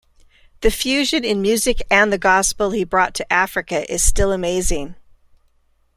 The fusion in music and the gospel he brought to Africa is still amazing.